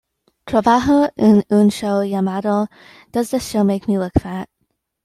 Trabaja en un show llamado "Does This Show Make Me Look Fat?